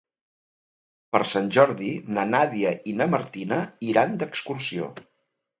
Per Sant Jordi na Nàdia i na Martina iran d'excursió.